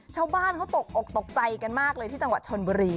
ชาวบ้านเขาตกอกตกใจกันมากเลยที่จังหวัดชนบุรี